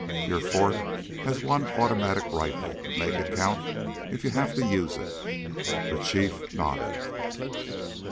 "Your fort has one automatic rifle. Make it count if you have to use it." The Chief nodded.